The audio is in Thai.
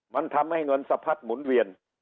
มันทำให้เงินสะพัดหมุนเวียน